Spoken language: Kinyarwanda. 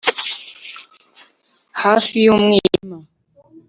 hafi y'umwijima